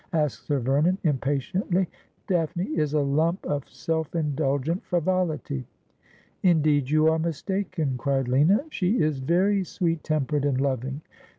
asked Sir Vernon impatiently. ' Daphne is a lump of self indulgent frivolity.' ' Indeed you are mistaken,' cried Lina ;' she is very sweet tempered and loving.'